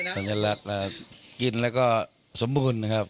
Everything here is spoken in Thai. เป็นสัญลักษณ์เลยนะครับสัญลักษณ์ครับกินแล้วก็สมบูรณ์ครับ